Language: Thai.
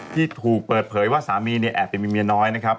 ที่ถูกเปิดเผยว่าสามีเนี่ยแอบไปมีเมียน้อยนะครับ